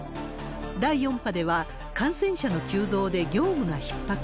第４波では、感染者の急増で業務がひっ迫。